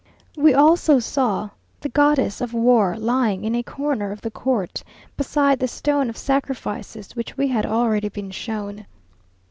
We also saw the goddess of war lying in a corner of the court, beside the stone of sacrifices, which we had already been shown.